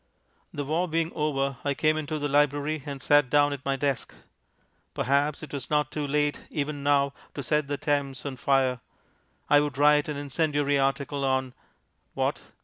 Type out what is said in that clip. The war being over, I came into the library and sat down at my desk. Perhaps it was not too late, even now, to set the Thames on fire. I would write an incendiary article on what?